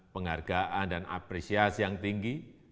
penghargaan dan apresiasi yang tinggi